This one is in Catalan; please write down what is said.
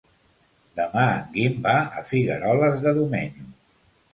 Demà en Guim va a Figueroles de Domenyo.